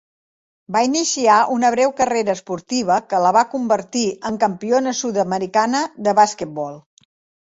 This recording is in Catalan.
Va iniciar una breu carrera esportiva que la va convertir en campiona sud-americana de basquetbol.